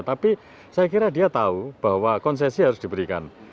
tapi saya kira dia tahu bahwa konsesi harus diberikan